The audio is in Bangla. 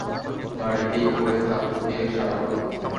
বাড়িতেই পড়ে থাকে সারাক্ষণ।